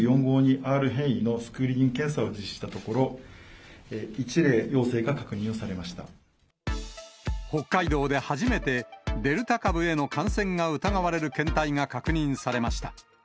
Ｒ変異のスクリーニング検査を実施したところ、１例、陽性が確認をされま北海道で初めて、デルタ株への感染が疑われる検体が確認されました。